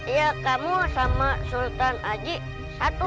iya kamu sama sultan aji satu